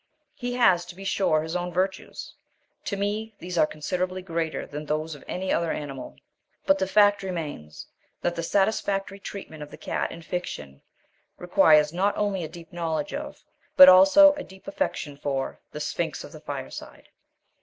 He has, to be sure, his own virtues. To me these are considerably greater than those of any other animal. But the fact remains that the satisfactory treatment of the cat in fiction requires not only a deep knowledge of but also a deep affection for the sphinx of the fireside.